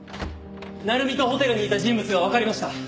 鳴海とホテルにいた人物がわかりました。